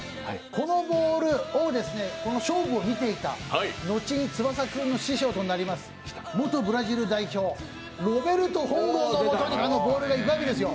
このボールを、この勝負を見ていた後に翼君の師匠となります、元ブラジル代表、ロベルト本郷のもとにボールがいくわけですよ。